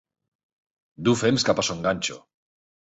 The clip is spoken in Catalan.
Dur fems cap a Son Ganxo.